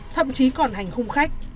thậm chí còn hành hung khách